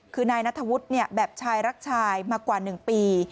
คือนายนัทธวุฒิแบบชายรักชายมากว่า๑ปี